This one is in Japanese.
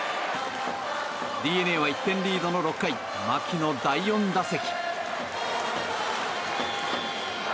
ＤｅＮＡは１点リードの６回牧の第４打席。